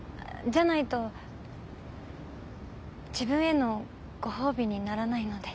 じゃないと自分へのご褒美にならないので。